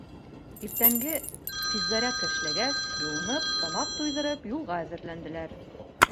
Иртәнге физзарядка эшләгәс, йыуынып, тамаҡ туйҙырып, юлға әҙерләнделәр.